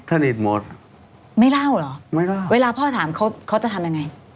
สนิทหมดไม่เล่าเหรอไม่เล่าเวลาพ่อถามเขาเขาจะทำยังไง